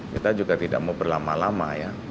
kita juga tidak mau berlama lama ya